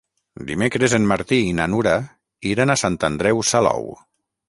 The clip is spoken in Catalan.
Dimecres en Martí i na Nura iran a Sant Andreu Salou.